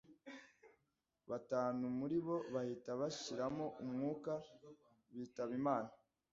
batanu muri bo bahita bashiramo umwuka bitaba Imana